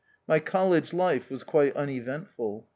My college life was quite uneventful.